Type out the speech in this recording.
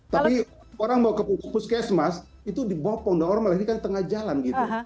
tapi orang mau ke puskesmas itu dibopong normal ini kan tengah jalan